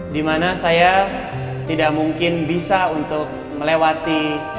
dimana saya tidak mungkin bisa untuk melewati